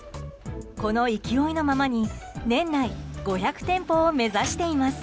この勢いのままに年内５００店舗を目指しています。